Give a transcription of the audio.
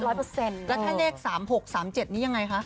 แล้วถ้าเลข๓๖๓๗นี้ยังไงคะ